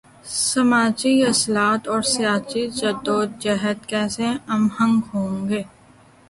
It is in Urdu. سماجی اصلاحات اور سیاسی جد و جہد کیسے ہم آہنگ ہوںگے؟